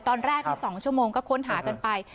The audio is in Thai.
ตอนแรก๒ชั่วโมงก็ค้นหากันไป